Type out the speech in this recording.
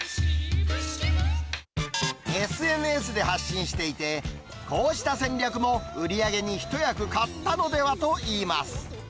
ＳＮＳで発信していて、こうした戦略も売り上げに一役買ったのではといいます。